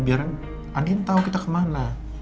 biar andi tau kita kemana